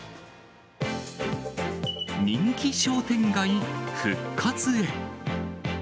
人気商店街、復活へ！